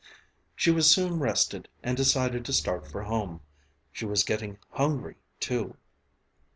She was soon rested and decided to start for home. She was getting hungry, too.